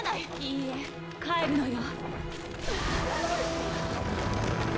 いいえ、帰るのよ。